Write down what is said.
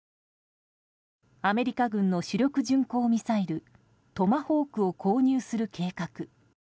アメリカ軍の主力巡航ミサイルトマホークを購入する計画。